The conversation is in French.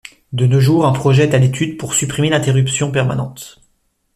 De nos jours, un projet est à l'étude pour supprimer l'interruption permanente.